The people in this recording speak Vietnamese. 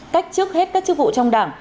cách trước hết các chức vụ trong đảng